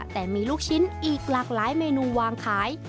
แต่มีลูกชิ้นอีกหลากหลายเมนูวางขาย